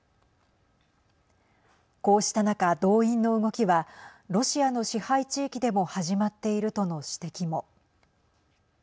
こうした中、動員の動きはロシアの支配地域でも始まっているとの指摘も。